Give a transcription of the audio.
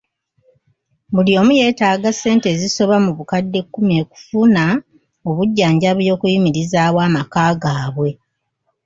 Buli omu yeetaaga ssente ezisoba mu bukadde kkumi okufuna obujjanjabi n'okuyimirizaawo amaka gaabwe.